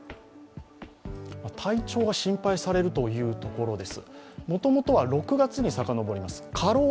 体調が心配されるというところです。